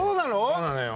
そうなのよ。